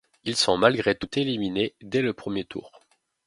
Ils sont malgré tout éliminés dès le premier tour.